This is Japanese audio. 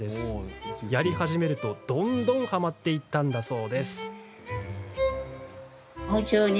やり始めると、どんどんはまっていったんだそう。